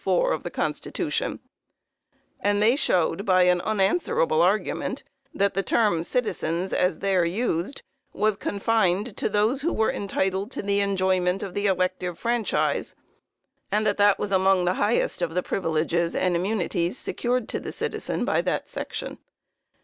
4, of the constitution, and they showed, by an unanswerable argument, that the term "citizens," as there used, was confined to those who were entitled to the enjoyment of the elective franchise, and that that was among the highest of the "privileges and immunities" secured to the citizen by that section.